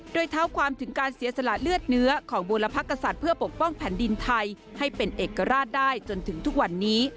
โดยเท้าความถึงการเสียสละเลือดเนื้อของบูรพกษัตริย์เพื่อปกป้องแผ่นดินไทยให้เป็นเอกราชได้จนถึงทุกวันนี้